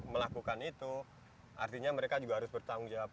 melakukan itu artinya mereka juga harus bertanggung jawab